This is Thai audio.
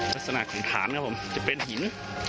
มัสสนักของฐานครับผมจะเป็นหิน